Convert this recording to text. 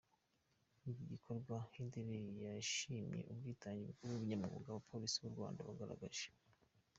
Muri iki gikorwa Hilde yashimye ubwitange n’ubunyamwuga abapolisi b’u Rwanda bagaragaje.